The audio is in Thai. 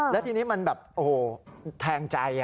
แล้วทีนี้มันแบบโอ้โหแทงใจ